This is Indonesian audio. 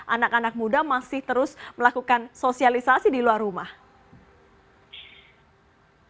anak anak muda masih terus melakukan sosialisasi di luar rumah